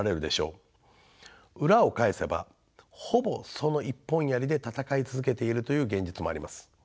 裏を返せばほぼその一本やりで戦い続けているという現実もあります。